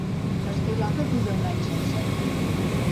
Esquilada dura un any sencer.